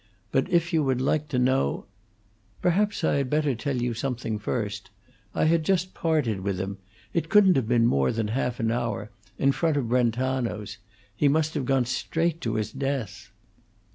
"But if you would like to know " "Perhaps I had better tell you something first. I had just parted with him it couldn't have been more than half an hour in front of Brentano's; he must have gone straight to his death.